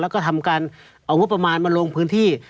แล้วก็ทำการเอางบประมาณมาลงพื้นที่